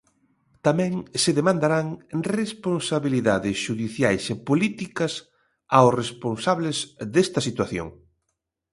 Tamén se demandarán "responsabilidades xudiciais e políticas" aos responsables desta situación.